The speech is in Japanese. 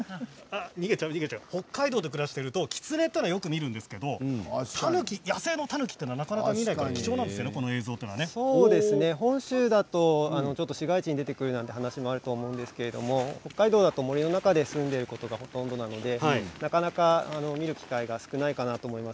北海道で暮らしているとキツネというのはよく見るんですけど野生のタヌキはなかなか見ないので本州だと市街地に出てくるなんて話もあると思うんですけど北海道だと森の中に住んでいることがほとんどなのでなかなか見る機会が少ないかなと思います。